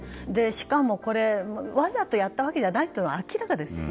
しかもわざとやったわけじゃないのは明らかですし。